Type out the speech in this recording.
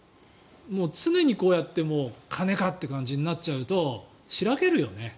常にこうやって金かという感じになっちゃうとしらけるよね。